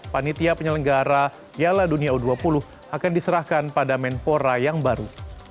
panitia penyelenggara piala dunia u dua puluh akan diserahkan pada menpora yang baru